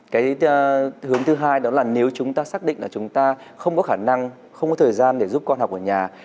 cái thứ hai đó là nếu chúng ta xác định là chúng ta không có khả năng không có thời gian để giúp con học ở nhà